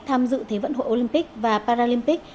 tham dự thế vận hội olympic và paralympic